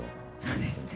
そうですね。